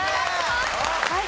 はい。